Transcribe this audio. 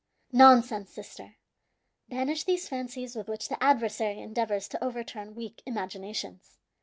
"Nonsense, sister! Banish these fancies with which the adversary endeavors to overturn weak imaginations.